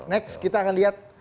next kita akan lihat